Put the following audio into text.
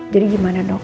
jadi gimana dok